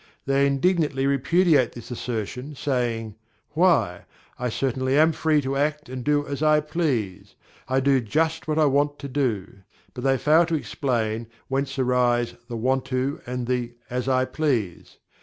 They indignantly repudiate this assertion, saying, "Why, I certainly am free to act and do as I please I do just what I want to do," but they fail to explain whence arise the "want to" and "as I please."